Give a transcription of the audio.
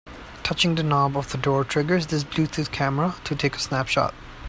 Touching the knob of the door triggers this Bluetooth camera to take a snapshot.